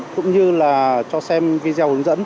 cũng như là cho xem video